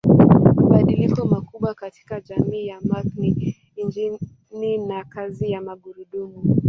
Mabadiliko makubwa katika jamii ya Mark ni injini na kazi ya magurudumu.